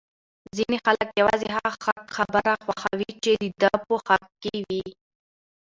ځینی خلک یوازی هغه حق خبره خوښوي چې د ده په حق کي وی!